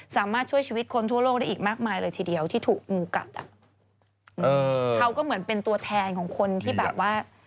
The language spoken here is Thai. สามารถช่วยชีวิตคนทั่วโลกได้อีกมากมายเลยทีเดียวที่ถูกงูกัดอ่ะเขาก็เหมือนเป็นตัวแทนของคนที่แบบว่า